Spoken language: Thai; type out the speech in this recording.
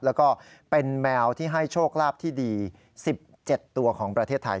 แล้วก็เป็นแมวที่ให้โชคลาภที่ดี๑๗ตัวของประเทศไทย